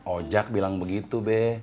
ojak bilang begitu be